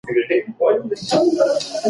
ملا بانګ یو ځل بیا د پټو اسرارو په فکر کې شو.